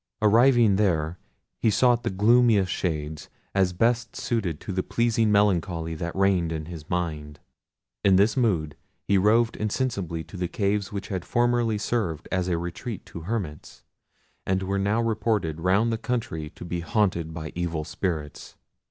Arriving there, he sought the gloomiest shades, as best suited to the pleasing melancholy that reigned in his mind. In this mood he roved insensibly to the caves which had formerly served as a retreat to hermits, and were now reported round the country to be haunted by evil spirits.